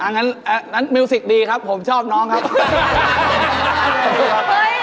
งั้นมิวสิกดีครับผมชอบน้องครับ